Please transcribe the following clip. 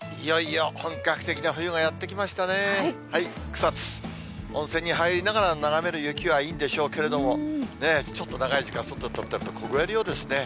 草津、温泉に入りながら眺める雪はいいんでしょうけれども、ちょっと長い時間、外に立ってると、凍えるようですね。